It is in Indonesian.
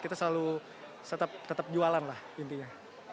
kita selalu tetap jualan lah intinya